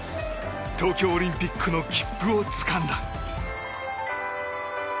東京オリンピックの切符をつかんだ。